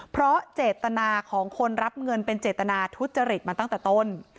เพราะเจตนาของคนรับเงินเป็นเจตนาทุจริตมาตั้งแต่ต้น